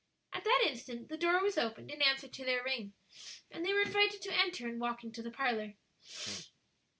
At that instant the door was opened in answer to their ring, and they were invited to enter and walk into the parlor.